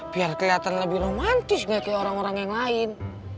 biar kelihatan lebih romantis gak ke orang orang yang lain